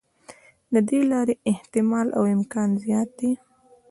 د دې لارې احتمال او امکان زیات دی.